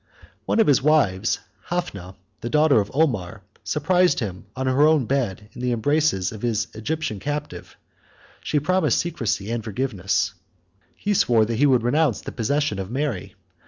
One of his wives, Hafna, the daughter of Omar, surprised him on her own bed, in the embraces of his Egyptian captive: she promised secrecy and forgiveness, he swore that he would renounce the possession of Mary.